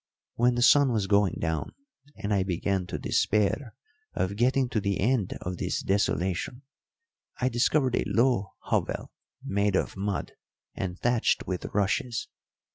When the sun was going down, and I began to despair of getting to the end of this desolation, I discovered a low hovel made of mud and thatched with rushes.